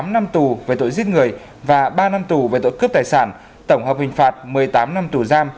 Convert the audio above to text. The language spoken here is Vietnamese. tám năm tù về tội giết người và ba năm tù về tội cướp tài sản tổng hợp hình phạt một mươi tám năm tù giam